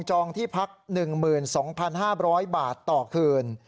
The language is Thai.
องที่พัก๑๒๕๐๐บาทต่อคืน